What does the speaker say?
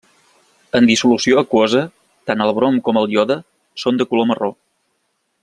En dissolució aquosa, tant el brom com el iode són de color marró.